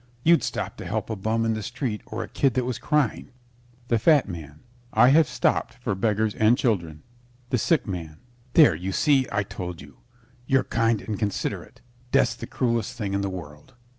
You'd stop to help a bum in the street or a kid that was crying. THE FAT MAN I have stopped for beggars and children. THE SICK MAN There, you see; I told you. You're kind and considerate. Death's the cruellest thing in the world.